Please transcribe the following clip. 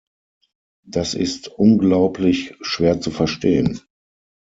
Das ist unglaublich schwer zu verstehen.